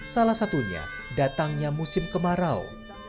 salah satunya datangnya musim kemarau